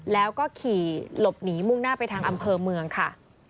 แล้วก็ขี่หลบหนีมุ่งหน้าไปทางอำเภอเมืองค่ะ